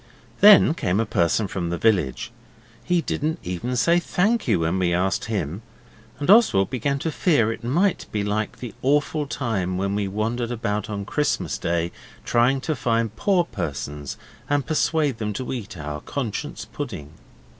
Then came a person from the village he didn't even say 'Thank you' when we asked him, and Oswald began to fear it might be like the awful time when we wandered about on Christmas Day trying to find poor persons and persuade them to eat our Conscience pudding.